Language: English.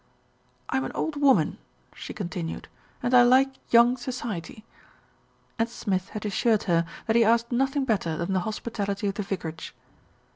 "I'm an old woman," she continued, "and I like young society." And Smith had assured her that he asked nothing better than the hospitality of the vicarage.